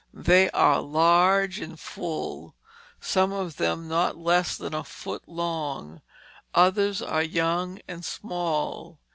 They are large and full, some of them not less than a foot long. Others are young and small.